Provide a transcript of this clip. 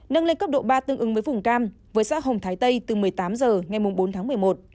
nâng lên cấp độ ba tự ứng với phùng cam với xã hồng thái tây từ một mươi tám giờ ngày bốn tháng một mươi một